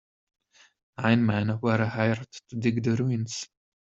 Nine men were hired to dig the ruins.